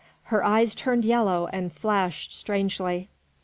Her eyes turned yellow and flashed strangely.